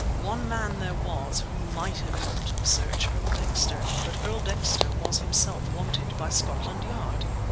One man there was who might have helped the search, Earl Dexter. But Earl Dexter was himself wanted by Scotland Yard!